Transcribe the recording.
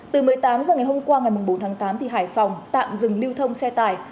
từ một mươi tám h ngày hôm qua ngày bốn tháng tám hải phòng tạm dừng lưu thông xe tải